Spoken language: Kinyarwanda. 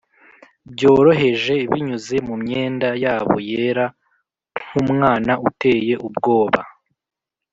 byoroheje, binyuze mumyenda yabo yera, nkumwana uteye ubwoba.